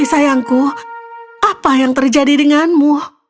sayangku apa yang terjadi denganmu